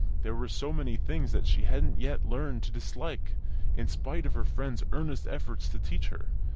There were so many things that she hadn't yet learned to dislike, in spite of her friend's earnest efforts to teach her.